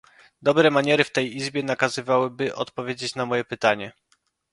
Dobre maniery w tej Izbie nakazywałyby odpowiedzieć na moje pytanie